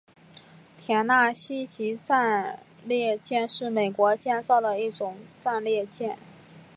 田纳西级战列舰是美国建造的一种战列舰。